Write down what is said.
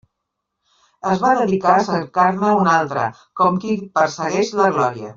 Es va dedicar a cercar-ne una altra, com qui persegueix la glòria.